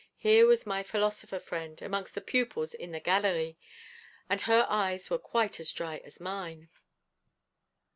Here was my philosopher friend, amongst the pupils in the Galerie, and her eyes were quite as dry as mine.